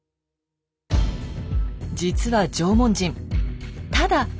実は縄文人ただ